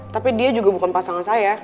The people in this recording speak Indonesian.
tapi dia juga bukan pasangan saya